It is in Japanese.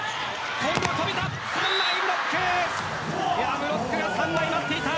ブロックが３枚待っていた。